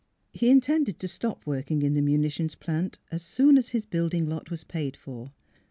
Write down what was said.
He intended to stop working in the munitions plant as soon as his building lot was paid for.